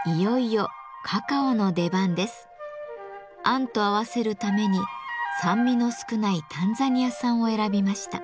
あんと合わせるために酸味の少ないタンザニア産を選びました。